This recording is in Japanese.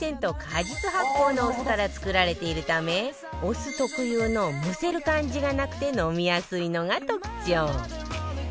果実発酵のお酢から作られているためお酢特有のむせる感じがなくて飲みやすいのが特徴